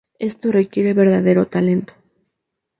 Esto requiere verdadero talento.